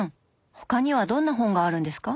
他にはどんな本があるんですか？